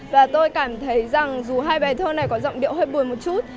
và tôi cảm thấy rằng dù hai bài thơ này có giọng điệu hơi buồn một chút